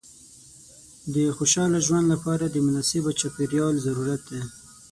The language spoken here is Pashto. د خوشحاله ژوند لپاره د مناسب چاپېریال ضرورت دی.